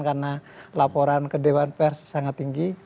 karena laporan ke dewan pers sangat tinggi